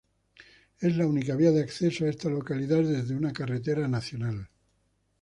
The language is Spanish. Es la única vía de acceso a esta localidad desde una carretera nacional.